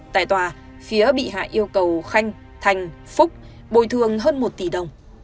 tại tòa phía bị hại yêu cầu khanh thành phúc bồi thường hơn một tỷ đồng